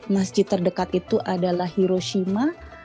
masjid terdekat itu adalah hiroshima